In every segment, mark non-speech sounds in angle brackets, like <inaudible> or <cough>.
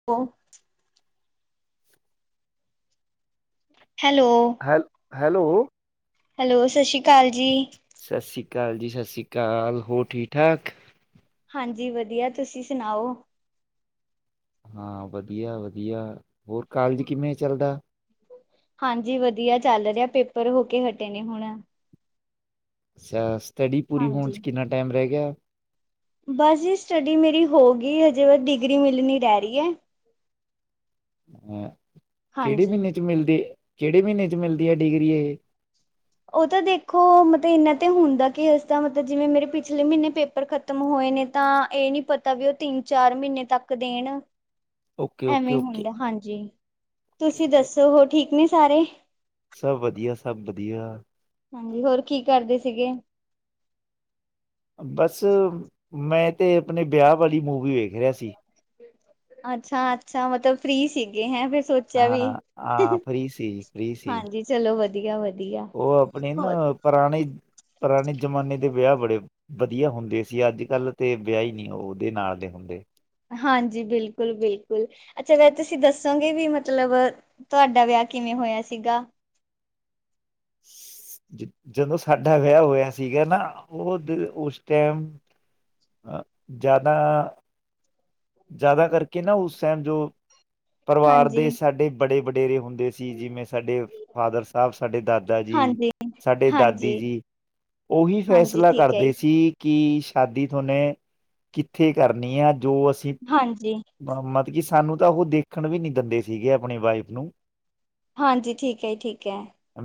<unintelligible> Hello ਹੈਲ, hello hello, ਸਸ਼੍ਰੀ ਕਾਲ ਜੀ। ਸਸ਼੍ਰੀ ਕਾਲ ਜੀ ਸਸ਼੍ਰੀ ਕਾਲ, ਹੋਰ ਠੀਕ ਠਾਕ। ਹਾਂਜੀ ਵਧੀਆ ਤੁਸੀਂ ਸੁਣਾਓ। ਹਾਂ ਵਧੀਆ ਵਧੀਆ ਹੋਰ ਕਾਲਜ ਕਿਵੇਂ ਚੱਲਦਾ। ਹਾਂਜੀ ਵਧੀਆ ਚੱਲ ਰਿਹਾ ਪੇਪਰ ਹੋ ਕੇ ਹਟੇ ਨੇ ਹੁਣ। ਅੱਛਾ ਸਟੱਡੀ ਪੂਰੀ ਹੋਣ ਹਾਂਜੀ। 'ਚ ਕਿੰਨਾ ਟਾਈਮ ਰਹਿ ਗਿਆ। ਬਸ ਜੀ ਸਟੱਡੀ ਮੇਰੀ ਹੋ ਗਈ ਹਜੇ ਵ ਡਿਗਰੀ ਮਿਲਣੀ ਰਹਿ ਗਈ ਐ। ਹਾਂ ਕਿਹੜੇ ਹਾਂਜੀ। ਮਹੀਨੇ ਚ ਮਿਲਦੇ ਕਿਹੜੇ ਮਹੀਨੇ ਚ ਮਿਲਦੀ ਹੈ ਡਿਗਰੀ ਇਹ ਉਹ ਤਾਂ ਦੇਖੋ ਮਤਲਬ ਇਨਾ ਤੇ ਹੁੰਦਾ ਕਿ ਇਸਦਾ ਮਤਲਬ ਜਿਵੇਂ ਮੇਰੇ ਪਿਛਲੇ ਮਹੀਨੇ ਪੇਪਰ ਖ ਖ਼ਤਮ ਹੋਏ ਨੇ ਤਾਂ ਇਹ ਨੀ ਪਤਾ ਵੀ ਉਹ ਤਿੰਨ ਚਾਰ ਮਹੀਨੇ ਤੱਕ ਦੇਣ। <unintelligible> ਓਕੇ ਐਵੇਂ ਓਕੇ ਹੁੰਦਾ ਹਾਂਜੀ ਤੁਸੀਂ ਦੱਸੋ ਹੋ ਠੀਕ ਨੇ ਸਾਰੇ। ਸਭ ਵਧੀਆ ਸਭ ਵਧੀਆ। ਹਾਂਜੀ, ਹੋਰ ਕੀ ਕਰਦੇ ਸੀਗੇ? ਬਸ ਮੈਂ ਤੇ ਆਪਣੇ ਵਿਆਹ ਵਾਲੀ ਮੂਵੀ ਵੇਖ ਰਿਹਾ ਸੀ। ਅੱਛਾ-ਅੱਛਾ, ਮਤਲਬ ਫਰੀ ਸੀਗੇ ਹੈਂ ਫੇਰ ਸੋਚ, ਹਾਂ ਆ ਫ੍ਰੀ ਸੀ ਫ੍ਰੀ ਸੀ, ਹਾਂਜੀ ਚਲੋ ਵਧੀਆ ਵਧੀਆ, ਉਹ ਆਪਣੇ ਨਾ ਪੁਰਾਣੇ ਪੁਰਾਣੇ ਜਮਾਨੇ ਦੇ ਵਿਆਹ ਬੜੇ ਵਧੀਆ ਹੁੰਦੇ ਸੀ, ਅੱਜ-ਕੱਲ੍ਹ ਤੇ ਵਿਆਹ ਹੀ ਨਹੀਂ ਉਹਦੇ ਨਾਲ ਦੇ ਹੁੰਦੇ। ਹਾਂਜੀ ਬਿਲਕੁਲ ਬਿਲਕੁਲ ਅੱਛਾ ਵੈ ਤੁਸੀਂ ਦੱਸੋਗੇ ਵੀ ਮਤਲਬ ਤੁਹਾਡਾ ਵਿਆਹ ਕਿਵੇਂ ਹੋਇਆ ਸੀਗਾ। ਜਦੋਂ ਸਾਡਾ ਵਿਆਹ ਹੋਇਆ ਸੀਗਾ ਨਾ ਉਹ ਉਸ ਟਾਈਮ ਜ਼ਿਆਦਾ ਜ਼ਿਆਦਾ ਕਰਕੇ ਨਾ ਉਸ ਟਾਈਮ ਜੋ ਪਰਿਵਾਰ ਹਾਂਜੀ, ਦੇ ਸਾਡੇ ਬੜੇ ਵਡੇਰੇ ਹੁੰਦੇ ਸੀ ਜਿਵੇਂ ਸਾਡੇ ਫਾਦਰ ਸਾਹਿਬ ਸਾਡੇ ਦਾਦਾ ਜੀ ਹਾਂਜੀ, ਸਾਡੇ ਹਾਂਜੀ, ਦਾਦੀ ਜੀ। ਉਹੀ ਹਾਂਜੀ ਫੈਸਲਾ ਠੀਕ ਹੈ ਕਰਦੇ ਜੀ ਸੀ। ਕਿ ਸ਼ਾਦੀ ਤੁਹਾਨੇ ਕਿੱਥੇ ਕਰਨੀ ਆ ਜੋ ਅਸੀਂ ਹਾਂਜੀ। ਮਤਲਬ ਕੀ ਸਾਨੂੰ ਤਾਂ ਉਹ ਦੇਖਣ ਵੀ ਨੀ ਦਿੰਦੇ ਸੀਗੇ ਆਪਣੀ ਵਾਈਫ ਨੂੰ। ਹਾਂਜੀ ਠੀਕ ਐ ਜੀ ਠੀਕ ਐ।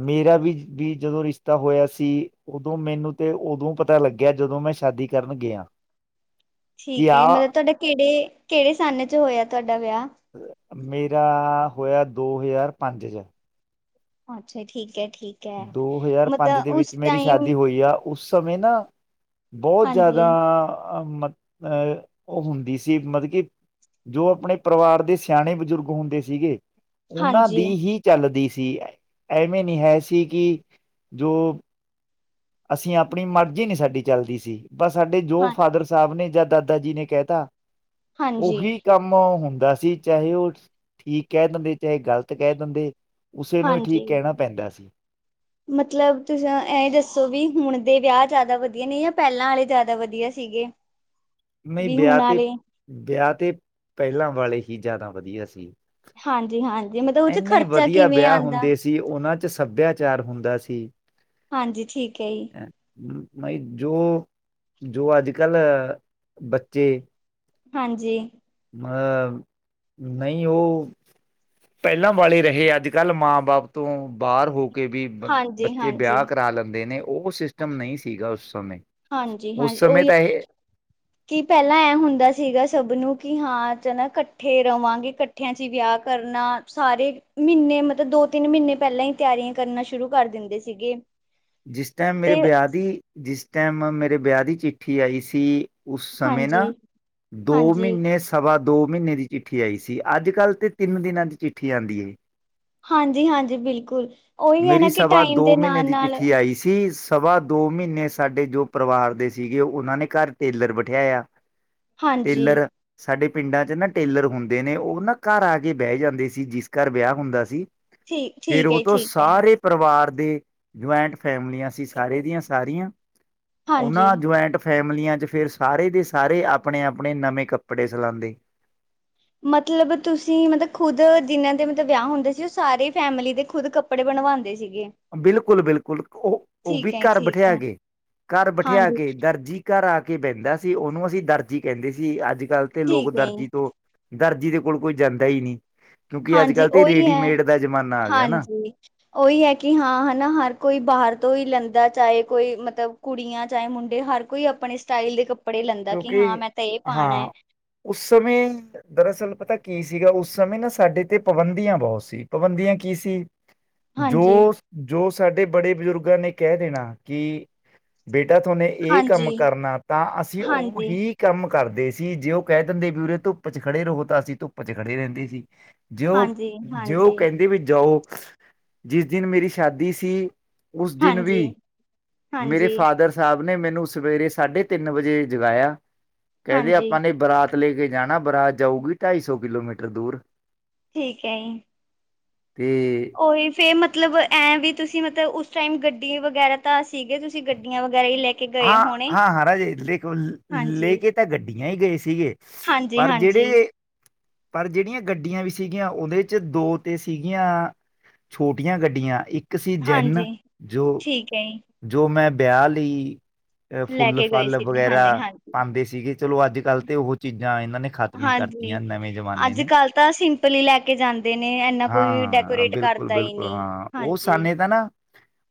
ਮੇਰਾ ਵੀ ਜਦੋਂ ਰਿਸ਼ਤਾ ਹੋਇਆ ਸੀ। ਉਦੋਂ ਮੈਨੂੰ ਤੇ ਉਦੋਂ ਪਤਾ ਲੱਗਿਆ ਜਦੋਂ ਮੈਂ ਸ਼ਾਦੀ ਕਰਨ ਗਿਆ। ਕਿ ਠੀਕ ਹੈ ਜੀ, ਮਤਲਬ ਆਹ ਤੁਹਾਡਾ ਕਿਹੜੇ ਕਿਹੜੇ ਸਨ ਚ ਹੋਇਆ ਤੁਹਾਡਾ ਵਿਆਹ? ਮੇਰਾ ਹੋਇਆ ਦੋ ਹਜ਼ਾਰ ਪੰਜ ਚ ਅੱਛਾ ਠੀਕ ਐ ਠੀਕ ਐ ਦੋ ਹਜ਼ਾਰ ਪੰਜ ਦੇ ਵਿੱਚ ਮੇਰੀ ਸ਼ਾਦੀ ਹੋਈ, ਆ ਉਸ ਸਮੇਂ ਨਾ ਬਹੁਤ ਹਾਂਜੀ, ਜ਼ਿਆਦਾ ਅਹ ਮਤ ਅਹ ਉਹ ਹੁੰਦੀ ਸੀ, ਮਤਲਬ ਕਿ ਜੋ ਆਪਣੇ ਪਰਿਵਾਰ ਦੇ ਸਿਆਣੇ ਬਜ਼ੁਰਗ ਹੁੰਦੇ ਸੀਗੇ। ਉਹਨਾਂ ਦੀ ਹਾਂਜੀ, ਹੀ ਚੱਲਦੀ ਸੀ ਐਵੇਂ ਨੀ ਹੈ ਸੀ ਕਿ ਜੋ ਅਸੀਂ ਆਪਣੀ ਮਰਜ਼ੀ ਨਹੀਂ ਸਾਡੀ ਚੱਲਦੀ ਸੀ ਪਰ ਸਾਡੇ ਜੋ ਹਾਂ ਫਾਦਰ, ਸਾਹਿਬ ਨੇ ਜਾਂ ਦਾਦਾ ਜੀ ਨੇ ਕਹਿਤਾ ਹਾਂਜੀ, ਉਹੀ ਕੰਮ ਹੁੰਦਾ ਸੀ ਚਾਹੇ ਉਹ ਠੀਕ ਕਹਿ ਦਿੰਦੇ ਚਾਹੇ ਗ਼ਲਤ ਕਹਿ ਦਿੰਦੇ ਉਸੇ ਨੂੰ ਹੀ ਠੀਕ ਹਾਂਜੀ ਕਹਿਣਾ ਪੈਂਦਾ ਸੀ। ਮਤਲਬ ਤੁਸੀਂ ਇਹ ਦੱਸੋ ਵੀ ਹੁਣ ਦੇ ਵਿਆਹ ਜ਼ਿਆਦਾ ਵਧੀਆ ਨੇ ਜਾਂ ਪਹਿਲਾਂ ਵਾਲੇ ਜ਼ਿਆਦਾ ਵਧੀਆ ਸੀਗੇ। ਨਹੀਂ ਵੀ ਹੁਣ ਵਿਆਹ ਤੇ ਆਲੇ ਵਿਆਹ ਤੇ ਪਹਿਲਾਂ ਵਾਲੇ ਹੀ ਜ਼ਿਆਦਾ ਵਧੀਆ ਸੀ। ਹਾਂਜੀ ਹਾਂਜੀ, ਮਤਲਬ ਉਹਦੇ ਇੰਨੇ ਖਰਚਾ ਵਧੀਆ ਕਿਵੇਂ ਵਿਆਹ ਆਉਂਦਾ। ਹੁੰਦੇ ਸੀ ਉਹਨਾਂ ਚ ਸੱਭਿਆਚਾਰ ਹੁੰਦਾ ਸੀ। ਹਾਂਜੀ ਠੀਕ ਹੈ ਜੀ। ਵਈ ਜੋ ਜੋ ਅੱਜ ਕੱਲ ਬੱਚੇ, ਹਾਂਜੀ, ਮਤਲਬ ਨਹੀਂ ਉਹ ਪਹਿਲਾਂ ਵਾਲੇ ਰਹੇ, ਅੱਜ ਕੱਲ੍ਹ ਮਾਂ ਬਾਪ ਤੋਂ ਬਾਹਰ ਹੋ। ਕਿ ਵੀ ਹਾਂਜੀ ਬੱਚੇ ਹਾਂਜੀ ਵਿਆਹ ਕਰਾ ਲੈਂਦੇ ਨੇ, ਉਹ ਸਿਸਟਮ ਨਹੀਂ ਸੀਗਾ ਉਸ ਸਮੇਂ ਹਾਂਜੀ ਉਸ ਹਾਂਜੀ, ਸਮੇਂ ਉਹੀ, ਤਾਂ <unintelligible> ਕਿ ਪਹਿਲਾਂ ਐ ਹੁੰਦਾ ਸੀਗਾ, ਸਭ ਨੂੰ, ਕਿ ਹਾਂ ਨਾ ਇਕੱਠੇ ਰਵਾਂਗੇ। ਇਕੱਠਿਆਂ ਚ ਵਿਆਹ ਕਰਨਾ ਸਾਰੇ, ਮਹੀਨੇ, ਮਤਲਬ ਦੋ ਤਿੰਨ ਮਹੀਨੇ ਪਹਿਲਾਂ ਹੀ ਤਿਆਰੀਆਂ ਕਰਨਾ ਸ਼ੁਰੂ ਕਰ ਦਿੰਦੇ ਸੀਗੇ। ਜਿਸ ਟਾਈਮ ਮੇਰੇ ਤੇ ਵਿਆਹ ਦੀ, ਜਿਸ ਟਾਈਮ ਮੇਰੇ ਵਿਆਹ ਦੀ ਚਿੱਠੀ ਆਈ ਸੀ। ਉਸ ਸਮਯ ਨਾ, ਹਾਂਜੀ ਦੋ ਹਾਂਜੀ ਮਹੀਨੇ ਸ ਸਵਾ ਦੋ ਮਹੀਨੇ ਦੀ ਚਿੱਠੀ ਆਈ ਸੀ, ਅੱਜ- ਕੱਲ ਤੇ ਤਿੰਨ ਦਿਨਾਂ ਦੀ ਚਿੱਠੀ ਆਉਂਦੀ ਹੈ। ਹਾਂਜੀ- ਹਾਂਜੀ ਬਿਲਕੁਲ। ਉਹੀ ਹੈ ਨਾ ਕਿ ਟਾਈਮ ਦੇ ਨਾਲ ਨਾਲ ਕੀ ਸਵਾ ਦੋ ਮਹੀਨੇ ਸਾਡੇ ਜੋ ਪਰਿਵਾਰ ਦੇ ਸੀਗੇ, ਉਹਨਾਂ ਨੇ ਘਰ ਟੇਲਰ ਬਿਠਾਇਆ। ਹਾਂਜੀ ਟੇਲਰ ਸਾਡੇ ਪਿੰਡਾਂ ਚ ਨਾ ਟੇਲਰ ਹੁੰਦੇ ਨੇ, ਉਹ ਨਾ ਘਰ ਆ ਕੇ ਬਹਿ ਜਾਂਦੇ ਸੀ, ਜਿਸ ਘਰ ਵਿਆਹ ਹੁੰਦਾ ਸੀ। ਠੀਕ, ਠੀਕ ਏ - ਠੀਕ ਏ। ਤੇ ਪਰਿਵਾਰ ਦੇ ਜੁਆਇੰਟ ਫੈਮਲੀਆਂ ਸੀ, ਸਾਰੇ ਦੀਆਂ ਸਾਰੀਆਂ। ਹਾਂਜੀ ਉਹਨਾਂ ਜੁਆਇੰਟ ਫੈਮਲੀਆਂ ਚ, ਫਿਰ ਸਾਰੇ ਦੇ ਸਾਰੇ ਆਪਣੇ- ਆਪਣੇ ਨਵੇਂ ਕੱਪੜੇ ਸਿਲਾਾਂਂਦੇ। ਮਤਲਬ ਤੁਸੀਂ ਮਤਲਬ ਖੁਦ, ਜਿਹਨਾਂ ਦੇ ਮਤਲਬ ਵਿਆਹ ਹੁੰਦੇ ਸੀ ਉਹ ਸਾਰੇ ਫੈਮਿਲੀ ਦੇ ਖੁਦ ਕੱ ਕੱਪੜੇ ਬਣਵਾਉਂਦੇ ਸੀਗੇ। ਬਿਲਕੁਲ ਬਿਲਕੁਲ, ਉਹ ਉਹ ਵੀ ਠੀਕ ਹੈ ਘਰ ਠੀਕ ਬਿਠਿਆ ਹੈ ਕੇ, ਘਰ ਬਿਠਾ ਹਾਂਜੀ ਕੇ ਦਰਜੀ। ਘਰ ਆ ਕੇ ਬਹਿੰਦਾ ਸੀ, ਉਹਨੂੰ ਅਸੀਂ ਦਰਜੀ ਕਹਿੰਦੇ ਸੀ, ਅੱਜ ਕੱਲ੍ਹ ਤੇ ਲੋਕ ਠੀਕ ਹੈ ਜੀ ਦਰਜੀ ਤੋਂ, ਦਰਜੀ ਦੇ ਕੋਲ ਕੋਈ ਜਾਂਦਾ ਹੀ ਨਹੀਂ, ਕਿਉਂਕਿ ਹਾਂਜੀ ਅੱਜ-ਕੱਲ੍ਹ ਤੇ ਉਹੀ ਹੈ ਰੇਡੀਮੇਡ ਦਾ ਜ਼ਮਾਨਾ ਆ ਗਿਆ ਨਾ। ਹਾਂਜੀ ਉਹੀ ਹੈ ਕਿ ਹਾਂ ਹੈਨਾ, ਹਰ ਕੋਈ ਬਾਹਰ ਤੋਂ ਹੀ ਲੈਂਦਾ, ਚਾਹੇ ਕੋਈ ਮਤਲਬ ਕੁੜੀਆਂ ਚਾਹੇ ਮੁੰਡੇ, ਹਰ ਕੋਈ ਆਪਣੇ ਸਟਾਈਲ ਦੇ ਕੱਪੜੇ ਲੈਂਦਾ, ਕਿ ਹਾਂ ਕਿਉਂਕਿ ਮੈਂ ਤਾਂ ਇਹ ਪਾਉਣਾ ਹਾਂ ਹੈ। ਉਸ ਸਮੇਂ, ਦਰਅਸਲ ਪਤਾ ਕੀ ਸੀਗਾ, ਉਸ ਸਮੇਂ ਨਾ ਸਾਡੇ ਤੇ ਪਾਬੰਦੀਆਂ ਬਹੁਤ ਸੀ, ਪਾਬੰਦੀਆਂ ਕੀ ਸੀ। <unintelligible> ਜੋ ਹਾਂਜੀ ਜੋ ਸਾਡੇ ਬੜੇ ਬਜ਼ੁਰਗਾਂ ਨੇ ਕਹਿ ਦੇਣਾ, ਕਿ ਬੇਟਾ ਤੁਹਾਨੇ ਇਹ ਕੰਮ ਹਾਂਜੀ ਕਰਨਾ, ਤਾਂ ਅਸੀਂ ਹਾਂਜੀ ਉਹੀ ਕੰਮ ਕਰਦੇ ਸੀ, ਜੇ ਉਹ ਕਹਿ ਦਿੰਦੇ ਵੀ ਉਰੇ ਧੁੱਪ ਚ ਖੜੇ ਰਹੋ, ਤਾਂ ਅਸੀਂ ਧੁੱਪ ਚ ਖੜੇ ਰਹਿੰਦੇ ਸੀ। ਜਿਉਂ ਹਾਂਜੀ ਜਿਉਂ ਹਾਂਜੀ ਕਹਿੰਦੇ ਵੀ ਜਾਓ, ਜਿਸ ਦਿਨ ਮੇਰੀ ਸ਼ਾਦੀ ਸੀ। ਉਸ ਦਿਨ ਹਾਂਜੀ ਵੀ ਮੇਰੇ ਹਾਂਜੀ ਫਾਦਰ ਸਾਬ ਨੇ ਮੈਨੂੰ ਸਵੇਰੇ ਸਾਢੇ ਤਿੰਨ ਵਜੇ ਜਗਾਇਆ, ਕਹਿੰਦੇ ਹਾਂਜੀ ਆਪਾਂ ਨੇ ਬਰਾਤ ਤੇ ਲੈ ਕੇ ਜਾਣਾ, ਬਰਾਤ ਜਾਊਗੀ ਢਾਈ ਸੌ ਕਿਲੋਮੀਟਰ ਦੂਰ। ਠੀਕ ਏ। ਤੇ ਉਹੀ ਫਿਰ, ਮਤਲਬ ਐਂ ਵੀ ਤੁਸੀ? ਮਤਲਬ ਉਸ ਟਾਈਮ ਗੱਡੀ ਵਗੈਰਾ ਤਾਂ ਸੀਗੇ? ਤੁਸੀਂ ਗੱਡੀਆਂ ਵਗੈਰਾ ਹੀ ਲੈ ਕੇ ਗਏ ਹਾਂ- ਹੋਣੇ। ਹਾਂ- ਹਰਾ ਬਿਲਕੁਲ, ਹਾਂਜੀ, ਲੈ ਕੇ ਤਾਂ ਗੱਡੀਆਂ ਹੀ ਗਏ ਸੀਗੇ। ਹਾਂਜੀ- ਪਰ ਹਾਂਜੀ। ਜਿਹੜੇ ਪਰ ਜਿਹੜੀਆਂ ਗੱਡੀਆਂ ਵੀ ਸੀਗੀਆਂ, ਉਹਦੇ ਚ ਦੋ ਤੇ ਸੀਗੀਆਂ ਛੋਟੀਆਂ ਗੱਡੀਆਂ, ਇੱਕ ਸੀ ਜੈਨ, ਹਾਂਜੀ ਜੋ ਠੀਕ ਹੈ। ਜੋ ਮੈਂ ਵਿਆਹ ਲਈ, ਅਹ ਲੈ ਫੁੱਲ - ਕੇ ਗਏ ਫੱਲ ਸੀਗੇ ਵਗੈਰਾ ਹਾਂਜੀ, ਹਾਂਜੀ, ਪਾਉਂਦੇ ਸੀਗੇ। ਚਲੋ, ਅੱਜ- ਕੱਲ ਤੇ ਉਹ ਚੀਜ਼ਾਂ ਇਹਨਾਂ ਨੇ ਖ਼ਤਮ ਹੀ ਹਾਂਜੀ, ਕਰਤੀਆਂ ਨਵੇਂ ਜ਼ਮਾਨੇ ਅੱਜ - ਨੇ ਕੱਲ ਤਾਂ ਸਿੰਪਲ ਹੀ ਲੈ ਕੇ ਜਾਂਦੇ ਨੇ, ਇੰਨਾ ਕੋਈ ਹਾਂ, ਡੈਕੋਰੇਟ ਬਿਲਕੁਲ- ਕਰਦਾ ਹੀ ਬਿਲਕੁਲ ਨਹੀਂ। ਹਾਂ, ਉਹ ਹਾਂਜੀ, ਸਾਨੇ ਦਾ ਨਾ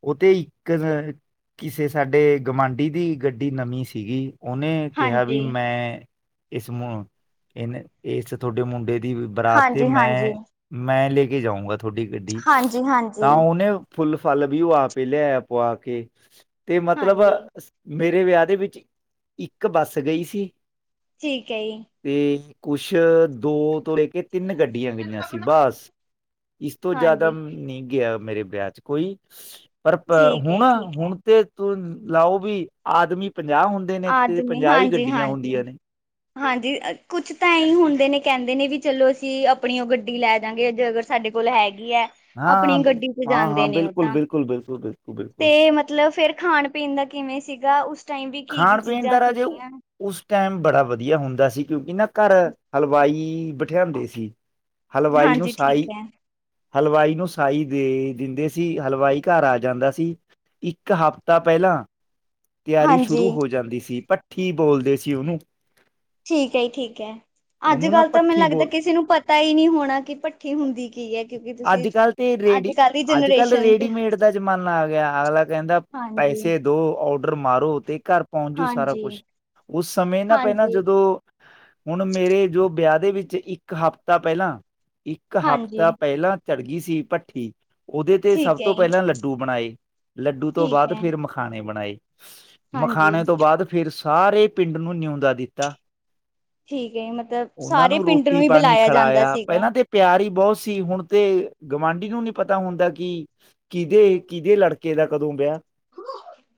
ਉਹ ਤੇ ਇੱਕ, ਕਿਸੇ ਸਾਡੇ ਗਵਾਂਢੀ ਦੀ ਗੱਡੀ ਨਵੀਂ ਸੀਗੀ। ਉਹਨੇ ਕਿਹਾ, ਬਈ ਹਾਂਜੀ, ਮੈਂ ਇਸ ਤੁਹਾਡੇ ਮੁੰਡੇ ਦੀ ਬਰਾਤ 'ਤੇ ਹਾਂਜੀ, ਹਾਂਜੀ, ਮੈਂ, ਮੈਂ ਲੈ ਕੇ ਜਾਊਂਗਾ ਤੁਹਾਡੀ ਗੱਡੀ, ਹਾਂਜੀ, ਤਾਂ ਹਾਂਜੀ। ਉਹਨੇ ਫੁੱਲ ਫਾਲ ਵੀ ਉਹ ਆਪ ਈ ਲਿਆਇਆ ਪੁਆ ਕੇ। ਤੇ ਮਤਲਬ ਹਾਂਜੀ, ਮੇਰੇ ਵਿਆਹ ਦੇ ਵਿੱਚ, ਇੱਕ ਬੱਸ ਗਈ ਸੀ। ਠੀਕ ਏ ਜੀ। ਤੇ ਕੁਛ ਦੋ ਤੋਂ ਲੈ ਕੇ ਤਿੰਨ ਗੱਡੀਆਂ ਗਈਆਂ ਸੀ ਬਸ, ਇਸ ਤੋਂ ਜ਼ਿਆਦਾ ਹਾਂਜੀ, ਨਹੀਂ ਗਿਆ ਮੇਰੇ ਵਿਆਹ ਚ। ਕੋਈ ਪ ਠੀਕ ਹੈ, ਹੁਣ, ਜੀ, ਠੀਕ ਹੈ। ਹੁਣ ਤੇ ਤੂੰ ਲਾਓ ਬਈ, ਆਦਮੀ ਪੰਜਾਹ ਹੁੰ ਦਿਨੇ ਤੇ ਪੰਜਾਹ ਹੀ ਗੱਡੀਆਂ ਹੁੰਦੀਆਂ ਨੇ। ਹਾਂ ਜੀ, ਕੁਛ ਤਾਂ ਇਹੀ ਹੁੰਦੇ ਨੇ, ਕਹਿੰਦੇ ਨੇ ਵੀ ਚਲੋ ਅਸੀਂ ਆਪਣੀ ਉਹ ਗੱਡੀ ਲੈ ਜਾਂਗੇ ਜੇ ਅਗਰ ਸਾਡੇ ਕੋਲ ਹੈਗੀ ਐ, ਆਪਣੀ ਹਾਂ ਗੱਡੀ ਚ ਹਾਂ ਹਾਂ ਜਾਂਦੇ ਨੇ ਉਹ ਬਿਲਕੁਲ ਤਾਂ। ਬਿਲਕੁਲ ਬਿਲਕੁਲ ਬਿਲਕੁਲ ਬਿਲਕੁਲ ਤੇ ਮਤ ਮਤਲਬ ਫੇਰ ਖਾਣ ਪੀਣ ਦਾ ਕਿਵੇਂ ਸੀਗਾ? ਉਸ ਟਾਈਮ ਵੀ ਕੀ-ਕੀ ਖਾਣ ਪੀਣ ਚੀਜ਼ਾਂ ਦਾ ਰਾਜੇ ਸੀਗੀਆਂ? ਉਸ ਟਾਈਮ ਬੜਾ ਵਧੀਆ ਹੁੰਦਾ ਸੀ, ਕਿਉਂਕਿ ਨਾ ਘਰ ਹਲਵਾਈ ਬਠਿਆਂਦੇ ਸੀ। ਹਲਵਾਈ ਨੂੰ ਹਾਂਜੀ ਠੀਕ ਸਾਈ ਹੈ ਹਲਵਾਈ ਨੂੰ ਸਾਈ ਦੇ ਦਿੰਦੇ ਸੀ, ਹਲਵਾਈ ਘਰ ਆ ਜਾਂਦਾ ਸੀ। ਇੱਕ ਹਫ਼ਤਾ ਪਹਿਲਾਂ, ਤਿਆਰੀ ਸੁ ਹਾਂਜੀ ਜਾਂਦੀ ਸੀ। ਭੱਠੀ ਬੋਲਦੇ ਸੀ ਉਹਨੂੰ। ਠੀਕ ਹੈ ਜੀ, ਠੀਕ ਹੈ। ਅੱਜ ਉਹਨੂੰ ਨਾ ਕੱਲ ਤਾਂ ਮੈਨੂੰ ਭੱਠੀ ਬੋਲ ਲੱਗਦਾ ਏ, ਕਿਸੇ ਨੂੰ ਪਤਾ ਹੀ ਨਹੀਂ ਹੋਣਾ, ਕਿ ਭੱਠੀ ਹੁੰਦੀ ਕੀ ਹੈ? ਕਿਉਂਕਿ ਤੁਸੀਂ ਅੱਜ ਕੱਲ੍ਹ ਤੇ ਰੇਡੀ, ਅੱਜ ਕੱਲ੍ਹ ਦੀ ਅੱਜ ਕੱਲ ਜਨਰੇਸ਼ਨ ਚ ਰੇਡੀਮੇਡ ਦਾ ਜ਼ਮਾਨਾ ਆ ਗਿਆ। ਅਗਲਾ ਕਹਿੰਦਾ, ਹਾਂਜੀ ਪੈਸੇ ਦੋ, ਔਡਰ ਮਾਰੋ, ਤੇ ਘਰ ਪਹੁੰਚ ਜੂ ਸਾਰਾ ਹਾਂਜੀ ਕੁਛ। ਉਸ ਸਮੇਂ ਨਾ ਪਹਿਲਾਂ ਹਾਂਜੀ ਜਦੋਂ ਹੁਣ ਮੇਰੇ ਜੋ ਬਿਆਹ ਦੇ ਵਿੱਚ ਇੱਕ ਹਫ਼ਤਾ ਪਹਿਲਾਂ ਇੱਕ ਹਾਂਜੀ ਹਫ਼ਤਾ ਪਹਿਲਾਂ ਚੜ੍ਹ ਗਈ ਸੀ ਭੱਠੀ। ਉਹਦੇ ਤੇ ਸਭ ਠੀਕ ਹੈ ਤੋਂ ਜੀ ਪਹਿਲਾਂ ਲੱਡੂ ਬਣਾਏ। ਲੱਡੂ ਤੋਂ ਠੀਕ ਬਾਅਦ ਹੈ ਫਿਰ ਮਖਾਣੇ ਬਣਾਏ। ਮਖਾਣੇ ਹਾਂਜੀ ਤੋਂ ਬਾਅਦ, ਫਿਰ ਸਾਰੇ ਪਿੰਡ ਨੂੰ ਨਿਉਂਦਾ ਦਿੱਤਾ। ਠੀਕ ਹੈ ਮਤਲਬ ਉਹਨਾਂ ਸਾਰੇ ਨੂੰ ਪਿੰਡ ਰੋਟੀ ਹੀ ਪਾਣੀ ਬੁਲਾਇਆ ਜਾਂਦਾ ਖਲਾਇਆ, ਸੀਗਾ। ਪਹਿਲਾਂ ਤੇ ਪਿਆਰ ਹੀ ਬਹੁਤ ਸੀ, ਹੁਣ ਤੇ ਗਵਾਂਢੀ ਨੂੰ ਨਈ ਪਤਾ ਹੁੰਦਾ ਕਿ ਕੀਹਦੇ, ਕਿਹਦੇ ਲੜਕੇ ਦਾ ਕਦੋਂ ਵਿਆਹ?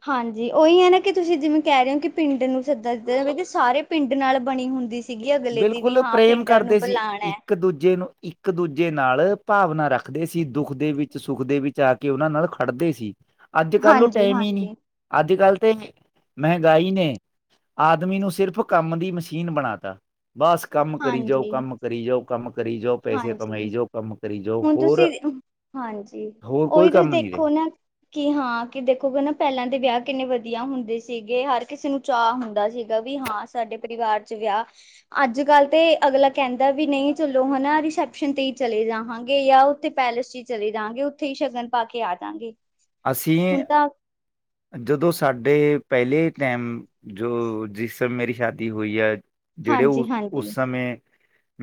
ਹਾਂ ਜੀ, ਉਹੀ ਹੈ ਨਾ ਕਿ ਤੁਸੀਂ ਜਿਵੇਂ ਕਹਿ ਰਹੇ ਹੋ, ਕਿ ਪਿੰਡ ਨੂੰ ਸੱਦਾ ਦਿੱਤਾ, ਮਤਬ ਕਿ ਸਾਰੇ ਪਿੰਡ ਨਾਲ ਬਣੀ ਹੁੰਦੀ ਸ ਸੀਗੀ ਅਗਲੇ ਦੀ ਵੀ, ਬਿਲਕੁਲ ਹਾਂ ਪ੍ਰੇਮ ਪਿੰਡਾਂ ਨੂੰ ਕਰਦੇ ਸੀ ਬੁਲਾਣਾ ਏ। ਇੱਕ ਦੂਜੇ ਨੂੰ, ਇੱਕ ਦੂਜੇ ਨਾਲ ਭਾਵਨਾ ਰੱਖਦੇ ਸੀ, ਦੁੱਖ ਦੇ ਵਿੱਚ, ਸੁੱਖ ਦੇ ਵਿੱਚ ਆ ਕੇ ਉਹਨਾਂ ਨਾਲ ਖੜਦੇ ਸੀ, ਅੱਜ ਕੱਲ ਉਹ ਟਾਈਮ ਹੀ ਨਹੀ, ਹਾਂਜੀ-ਹਾਂਜੀ, ਅੱਜ ਕੱਲ ਤੇ ਮਹਿੰਗਾਈ ਨੇ, ਆਦਮੀ ਨੂੰ ਸਿਰਫ਼ ਕੰਮ ਦੀ ਮਸ਼ੀਨ ਬਣਾ ਤਾ। ਬਸ ਕੰਮ ਕਰੀ ਜਾਓ, ਕੰਮ ਹਾਂਜੀ-ਹਾਂਜੀ। ਕਰੀ ਜਾਓ, ਕੰਮ ਕਰੀ ਜਾਓ, ਪੈਸੇ ਕਮਾਈ ਜਾਓ, ਕੰਮ ਕਰੀ ਜਾਓ, ਹੁਣ ਤੁਸੀਂ ਹੋਰ ਹਾਂਜੀ, ਹੋਰ ਕੋਈ ਉਹੀ ਤੁਸੀਂ ਕੰਮ ਨਹੀਂ ਰਹੇ ਦੇਖੋ ਨਾ ਕਿ ਹਾਂ, ਕਿ ਦੇਖੋਗੇ ਨਾ ਪਹਿਲਾਂ ਦੇ ਵਿਆਹ ਕਿੰਨੇ ਵਧੀਆ ਹੁੰਦੇ ਸੀਗੇ, ਹਰ ਕਿਸੇ ਨੂੰ ਚਾਅ ਹੁੰਦਾ ਸੀਗਾ ਵੀ ਹਾਂ, ਸਾਡੇ ਪਰਿਵਾਰ ਚ ਵਿਆਹ, ਅੱਜ ਅੱਜ ਕੱਲ੍ਹ ਤੇ ਅਗਲਾ ਕਹਿੰਦਾ ਵੀ ਨਹੀਂ, ਚਲੋ ਹਨਾ ਰਿਸੈਪਸ਼ਨ ਤੇ ਈ ਚਲੇ ਜਾਵਾਂਗੇ ਯਾ ਉੱਥੇ ਪੈਲੇਸ ਵਿੱਚ ਈ ਚਲੇ ਜਾਂਗੇ, ਉੱਥੇ ਹੀ ਸ਼ਗਨ ਪਾ ਕੇ ਆ ਜਾਂਗੇ। ਅਸੀਂ, ਜਦੋਂ ਸਾਡੇ ਪਹਿਲੇ ਟੈਮ ਜੋ ਜਿਸ ਸਮੇਂ ਮੇਰੀ ਸ਼ਾਦੀ ਹੁਈ ਹੈ, ਜਿਹੜੇ ਹਾਂਜੀ ਹਾਂਜੀ ਉਸ-ਉਸ ਸਮੇਂ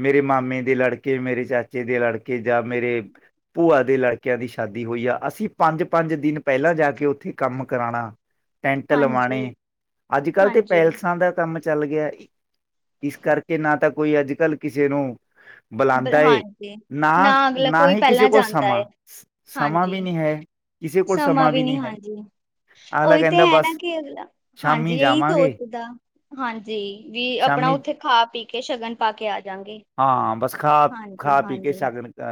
ਮੇਰੇ ਮਾਮੇ ਦੇ ਲੜਕੇ, ਮੇਰੇ ਚਾਚੇ ਦੇ ਲੜਕੇ ਜਾਂ ਮੇਰੇ ਭੂਆ ਦੇ ਲੜਕੇਆਂ ਦੀ ਸ਼ਾਦੀ ਹੋਈ ਆ, ਅਸੀਂ ਪੰਜ ਪੰਜ ਦਿਨ ਪਹਿਲਾਂ ਜਾ ਕੇ, ਉੱਥੇ ਕੰਮ ਕਰਾਣਾ ਟੈਂਟ ਲਵਾਣੇ, ਹਾਂਜੀ ਅੱਜ ਕੱਲ੍ਹ ਤੇ ਹਾਂਜੀ ਪੈਲਸਾਂ ਦਾ ਕੰਮ ਚੱਲ ਗਿਆ, ਇਸ ਕਰਕੇ, ਨਾ ਤਾਂ ਕੋਈ ਅੱਜ ਕੱਲ ਕਿਸੇ ਨੂੰ ਬੁਲਾਉਂਦਾ ਏ ਹਾਂਜੀ, ਨਾ ਅਗਲਾ ਨਾ ਕੋਈ ਹੀ ਕਿਸੇ ਪਹਿਲਾਂ ਕੋਲ ਜਾਂਦਾ ਏ, ਸਮਾਂ ਸਮਾਂ ਹਾਂਜੀ। ਵੀ ਨਹੀਂ ਹੈ ਕਿਸੇ ਕੋਲ ਸਮਾਂ ਵੀ ਨੀ, ਨਹੀਂ ਹੈ ਹਾਂਜੀ। ਅਗਲਾ ਉਹੀ ਤੇ ਕਹਿੰਦਾ ਹੈ ਨਾ ਬਸ ਕੀ ਅਗਲਾ, ਹਾਂਜੀ, ਸ਼ਾਮੀ ਇਹੀ ਜਾਵਾਂਗੇ ਸੋਚਦਾ ਹਾਂਜੀ, ਵੀ ਆਪਣਾ ਸ਼ਾਮੀ ਉੱਥੇ ਖਾ ਪੀ ਕੇ, ਸ਼ਗਨ ਪਾ ਕੇ, ਆ ਜਾਂਗੇ। ਹਾਂ, ਬਸ ਖਾ, ਹਾਂਜੀ ਖਾ ਪੀ ਕੇ, ਹਾਂਜੀ ਸਗਨ ਅ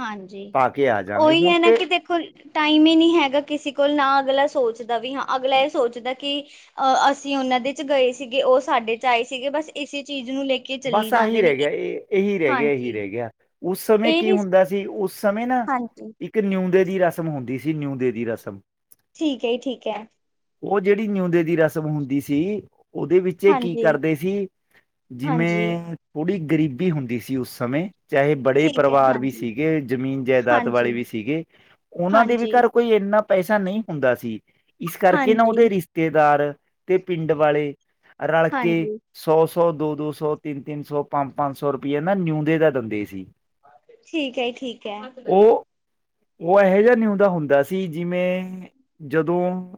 ਹਾਂਜੀ। ਪਾ ਕੇ ਆ ਜਾਂਗੇ ਉਹੀ ਹੁਣ ਹੈ ਨਾ ਤੇ ਕਿ ਦੇਖੋ, ਟਾਈਮ ਹੀ ਨਹੀਂ ਹੈਗਾ ਕਿਸੇ ਕੋਲ ਨਾ ਅਗਲਾ ਸੋਚ ਦਾ ਵੀ ਹਾਂ, ਅਗਲਾ ਇਹ ਸੋਚਦਾ ਕਿ ਅਹ ਅਸੀਂ ਉਹਨਾਂ ਦੇ ਚ' ਗਏ ਸੀਗੇ, ਉਹ ਸਾਡੇ ਚ' ਆਏ ਸੀਗੇ, ਬਸ ਇਸੇ ਚੀਜ਼ ਨੂੰ ਲੈ ਕੇ ਚੱਲੀ ਬਸ ਆਹੀ ਜਾਂਦੇ ਨੇ ਰਹਿ ਗਿਆ, ਇਹ, ਇਹੀ ਰਹਿ ਗਿਆ, ਇਹੀ ਹਾਂਜੀ ਰਹਿ ਗਿਆ। ਉਸ ਸਮੇਂ ਇਹ ਕੀ ਨੀ ਹੁੰਦਾ ਸੀ, ਉਸ ਸਮੇਂ ਨਾ ਹਾਂਜੀ ਇੱਕ ਕਿ ਨਿਉਂਦੇ ਦੀ ਰਸਮ ਹੁੰਦੀ ਸੀ, ਨਿਉਂਦੇ ਦੀ ਰਸਮ। ਠੀਕ ਹੈ, ਜ ਠੀਕ ਹੈ। ਉਹ ਜਿਹੜੀ ਨਿਉਂਦੇ ਦੀ ਰਸਮ ਹੁੰਦੀ ਸੀ, ਉਹਦੇ ਵਿੱਚ ਕੀ ਹਾਂਜੀ ਕਰਦੇ ਸੀ। ਹਾਂਜੀ ਜਿਵੇਂ ਥੋੜ੍ਹੀ ਗਰੀਬੀ ਹੁੰਦੀ ਸੀ ਉਸ ਸਮੇਂ ਚਾਹੇ ਬੜੇ ਠੀਕ ਹੈ ਪਰਿਵਾਰ ਵੀ ਹਾਂਜੀ ਸੀਗੇ, ਜ਼ਮੀਨ ਜਾਇਦਾਦ ਹਾਂਜੀ ਵਾਲੇ ਵੀ ਸੀਗੇ। ਉਹਨਾਂ ਦੇ ਵੀ ਹਾਂਜੀ ਘਰ ਕੋਈ ਇੰਨਾ ਪੈਸਾ ਨਹੀਂ ਹੁੰਦਾ ਸੀ, ਇਸ ਕਰਕੇ ਨਾ ਹਾਂਜੀ ਉਹਦੇ ਰਿਸ਼ਤੇਦਾਰ ਤੇ ਪਿੰਡ ਵਾਲੇ ਰਲ ਕੇ, ਹਾਂਜੀ ਸੌ -ਸੌ, ਦੋ- ਦੋ ਸੌ ਸੌ ਤਿੰਨ- ਤਿੰਨ ਸੌ, ਪੰਜ -ਪੰਜ ਸੌ ਰੁਪਈਏ ਨਾ ਨਿਉਂਦੇ ਦਾ ਦੰਦੇ ਸੀ। ਠੀਕ ਹੈ, ਠੀਕ ਹੈ। ਉਹ ਉਹ ਇਹੋ ਜਿਹਾ ਨਿਉਦਾ ਹੁੰਦਾ ਸੀ, ਜਿਵੇਂ, ਜਦੋਂ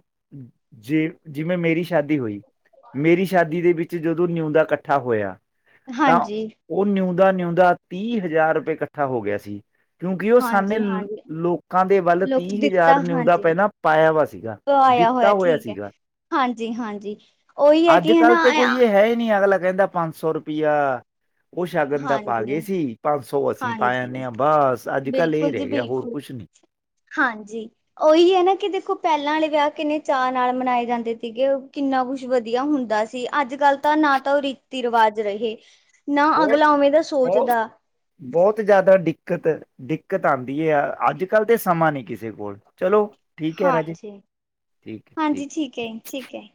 ਜੇ ਜਿਵੇਂ ਮੇਰੀ ਸ਼ਾਦੀ ਹੋਈ। ਮੇਰੀ ਸ਼ਾਦੀ ਦੇ ਵਿੱਚ ਜਦੋਂ ਨਿਉਂਦਾ ਇਕੱਠਾ ਹੋਇਆ। ਤਾਂ ਹਾਂਜੀ। ਉਹ ਨਿਉਂਦਾ- ਨਿਉਂਦਾ ਤੀਹ ਹਜ਼ਾਰ ਰੁਪਏ ਇਕੱਠਾ ਹੋ ਗਿਆ ਸੀ। ਕਿਉਂਕਿ ਉਹ ਸਾਨੇ ਹਾਂਜੀ ਹਾਂਜੀ ਲੋਕਾਂ ਦੇ ਵੱਲ ਲੋਕ ਤੀਹ ਦਿੱਤਾ ਹਜ਼ਾਰ ਨਿਉਂਦਾ ਹਾਂਜੀ ਪਹਿਲਾਂ ਪਾਇਆ ਵਾ ਸੀਗਾ। ਆਇਆ ਦਿੱਤਾ ਹੋਇਆ ਠੀਕ ਹੈ ਸੀਗਾ। ਹਾਂਜੀ ਹਾਂਜੀ ਉਹੀ ਹੈ ਅੱਜ ਕਿ ਕੱਲ੍ਹ ਹਨਾ ਤੇ ਕੋਈ ਇਹ ਹੈ ਹੀ ਨਹੀਂ ਅਗਲਾ ਕਹਿੰਦਾ ਪੰਜ ਸੌ ਰੁਪਈਆ ਉਹ ਸ਼ਗਨ ਦਾ ਪਾ ਹਾਂਜੀ ਗਏ ਸੀ, ਪੰਜ ਸੌ ਅਸੀਂ ਪਾ ਜਾਂਦੇ ਹਾਂਜੀ ਹਾਂ ਬਸ, ਅੱਜ ਕੱਲ ਇਹ ਬਿਲਕੁਲ ਜੀ ਰਹਿ ਗਿਆ ਹੋਰ ਬਿਲਕੁਲ ਕੁਛ ਨੀ। ਹਾਂਜੀ। ਉਹੀ ਹੈ ਨਾ ਕਿ ਦੇਖੋ ਪਹਿਲਾਂ ਵਾਲੇ ਵਿਆਹ ਕਿੰਨੇ ਚਾਅ ਨਾਲ ਮਨਾਏ ਜਾਂਦੇ ਸੀਗੇ, ਕਿੰਨਾ ਕੁਛ ਵਧੀਆ ਹੁੰਦਾ ਸੀ। ਅੱਜ ਕੱਲ ਤਾਂ ਨਾ ਤਾਂ ਉਹ ਰੀਤੀ ਰਿਵਾਜ ਰਹੇ, ਨਾ ਬਹੁਤ, ਅਗਲਾ ਉਵੇਂ ਦਾ ਬਹੁਤ ਸੋਚਦਾ -ਬਹੁਤ ਜ਼ਿਆਦਾ ਦਿੱਕਤ ਦਿੱਕਤ ਆਉਂਦੀ ਹੈ ਆ, ਅੱਜ ਕੱਲ ਤੇ ਸਮਾਂ ਨਹੀਂ ਕਿਸੇ ਕੋਲ ਚਲੋ। ਠੀਕ ਕਿਹਾ ਰਾ ਜੀ, ਹਾਂਜੀ ਠੀਕ ਹੈ ਹਾਂਜੀ ਹੈ ਠੀਕ। ਹੈ